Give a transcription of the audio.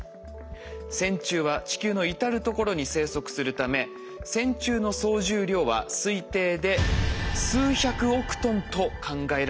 線虫は地球の至る所に生息するため線虫の総重量は推定で数百億トンと考えられているんです。